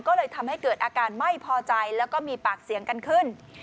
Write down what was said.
ก็เลยทำให้เกิดอาการไม่พอใจแล้วก็มีปากเสียงกันขึ้น